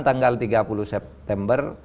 tanggal tiga puluh september